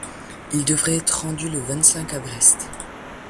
Il devait être rendu le vingt-cinq à Brest.